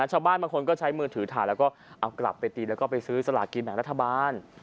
ชาวบ้านบางคนก็ใช้มือถือถ่ายแล้วก็เอากลับไปตีแล้วก็ไปซื้อสลากินแบ่งรัฐบาล